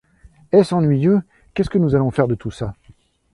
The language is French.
Est-ce ennuyeux! qu’est-ce que nous allons faire de tout ça?